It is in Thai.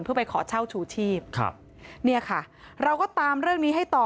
เพื่อไปขอเช่าชูชีพครับเนี่ยค่ะเราก็ตามเรื่องนี้ให้ต่อ